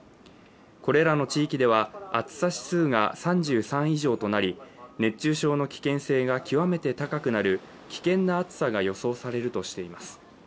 これらの地域では、暑さ指数が３３以上となり熱中症の危険性が極めて高くなる危険な暑さが予想されるとしています。